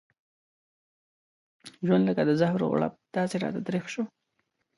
ژوند لکه د زهرو غړپ داسې راته تريخ شو.